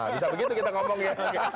bisa begitu kita ngomong ya